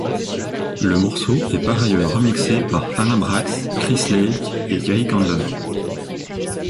Le morceau est par ailleurs remixé par Alan Braxe, Chris Lake et Kerri Chandler.